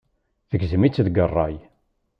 Tegzem-itt deg ṛṛay.